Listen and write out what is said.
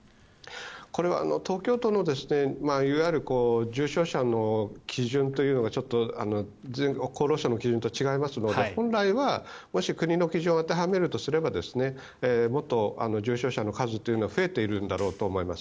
これは東京都のいわゆる重症者の基準というのがちょっと厚労省の基準と違いますので本来は、もし国の基準を当てはめるとすればもっと重症者の数は増えているんだろうと思います。